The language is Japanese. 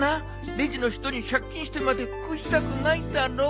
レジの人に借金してまで食いたくないだろ？